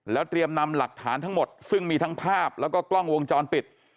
เตรียมนำหลักฐานทั้งหมดซึ่งมีทั้งภาพแล้วก็กล้องวงจรปิด